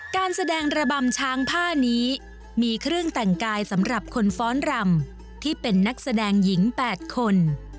การแสดงระบำช้างผ้านี้มีเครื่องแต่งกายสำหรับคนฟ้อนรำที่เป็นนักแสดงหญิง๘คน